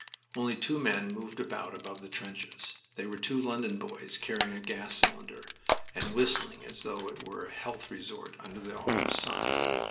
Only two men moved about above the trenches. They were two London boys carrying a gas cylinder, and whistling as though it were a health resort under the autumn sun...